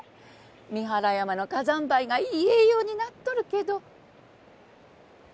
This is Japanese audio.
三原山の火山灰がいい栄養になっとるけど。あんたは？